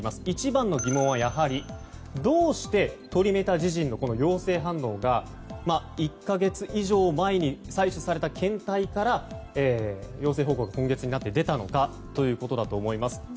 一番の疑問はどうしてトリメタジジンの陽性反応が１か月以上前に採取された検体から陽性報告が今月になって出たのかということだと思います。